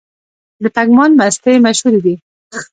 د پګمان مستې مشهورې دي؟